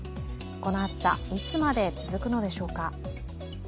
この暑さ、いつまで続くのでしょうか。